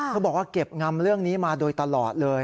เขาบอกว่าเก็บงำเรื่องนี้มาโดยตลอดเลย